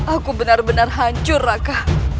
aku benar benar hancur raka